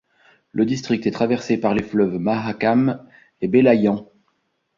Le district est traversé par les fleuves Mahakam et Belayan.